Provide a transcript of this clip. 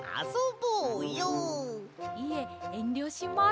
いええんりょします。